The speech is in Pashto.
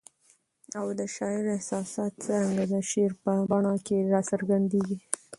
او د شاعر احساسات څرنګه د شعر په بڼه کي را څرګندیږي؟